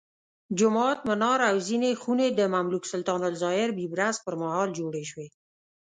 جومات، منار او ځینې خونې د مملوک سلطان الظاهر بیبرس پرمهال جوړې شوې.